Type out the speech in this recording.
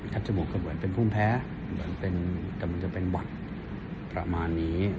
คัดจมูกเหมือนเป็นภูมิแพ้แต่มันจะเป็นหวัดประมาณนี้